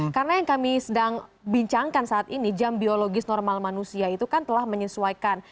karena yang kami sedang bincangkan saat ini jam biologis normal manusia itu kan telah menyesuaikan